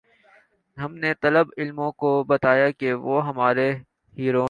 ہم نے طالب علموں کو بتایا کہ وہ ہمارے ہیرو ہیں۔